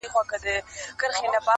چي ډول دي وي په څنگ، د وهلو ئې څه ننگ.